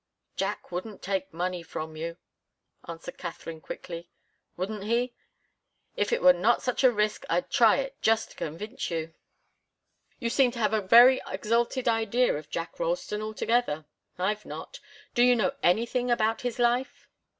"Jack wouldn't take money from you," answered Katharine, quickly. "Wouldn't he? If it were not such a risk, I'd try it, just to convince you. You seem to have a very exalted idea of Jack Ralston, altogether. I've not. Do you know anything about his life?"